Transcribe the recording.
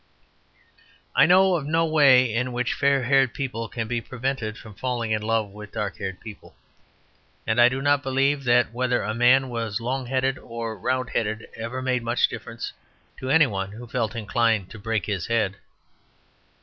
I know of no way in which fair haired people can be prevented from falling in love with dark haired people; and I do not believe that whether a man was long headed or round headed ever made much difference to any one who felt inclined to break his head.